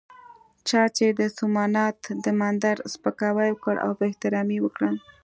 چا چې د سومنات د مندر سپکاوی وکړ او بې احترامي یې وکړه.